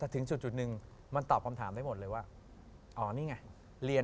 แต่ถึงจุดนึงมันตอบคำถามได้หมดเลยว่าอ๋อนี่ไง